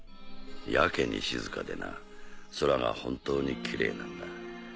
やけに静かでな空が本当にきれいなんだ。